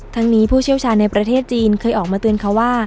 ทั้งนี้ผู้เชี่ยวชาญในประเทศจีนเคยออกมาเตือนเขาว่า